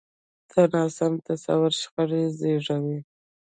دا ناسم تصور شخړې زېږوي.